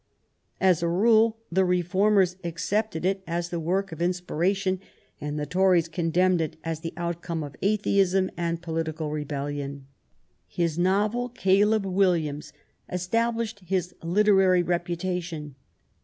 As a rule, the reformers accepted it as the work 176 MAEY W0LL8T0NECBAFT GODWIN. of inspiration, and the Tories condemned it as the outcome of atheism and political rebellion. His novels Caleb Williams, established his literary reputation.